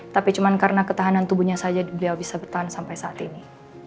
tapi cuma karena ketahanan tubuhnya saja beliau bisa bertahan sampai saat ini